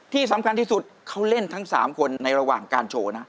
ที่สำคัญที่สุดเขาเล่นทั้ง๓คนในระหว่างการโชว์นะ